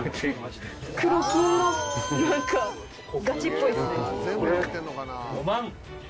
黒金が何かガチっぽいっすね。